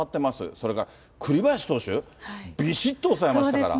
それから栗林投手、びしっと抑えましたから。